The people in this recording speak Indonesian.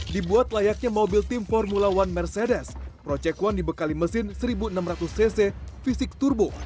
dibuat layaknya mobil tim formula one mercedes project one dibekali mesin seribu enam ratus cc fisik turbo